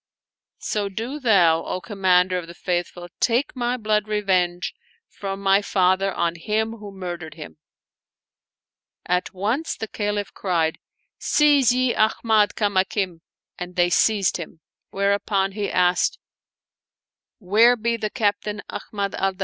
So do thou, O Commander of the Faithful, take my blood revenge from my father on him who murdered him." At once the Caliph cried, " Seize ye Ahmad Kamakim !" and they seized him ; whereupon he asked, " Where be the Captain Ahmad al Danaf